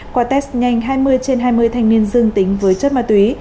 qua test nhanh hai mươi trên hai mươi thanh niên dương tính với chất ma túy